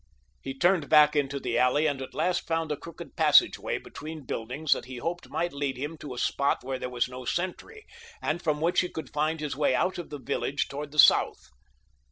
He turned back into the alley and at last found a crooked passageway between buildings that he hoped might lead him to a spot where there was no sentry, and from which he could find his way out of the village toward the south.